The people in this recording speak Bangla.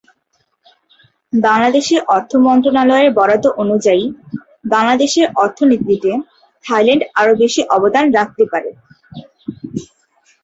বাংলাদেশের অর্থ মন্ত্রণালয়ের বরাত অনুযায়ী- বাংলাদেশের অর্থনীতিতে থাইল্যান্ড আরো বেশি অবদান রাখতে পারে।